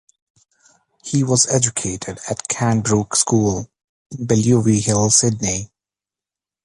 He was educated at Cranbrook School in Bellevue Hill, Sydney.